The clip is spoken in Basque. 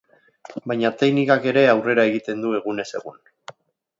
Baina teknikak ere aurrera egiten du egunez egun.